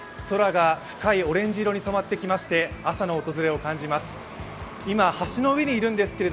空が深いオレンジ色に染まってきまして、朝の訪れを感じます。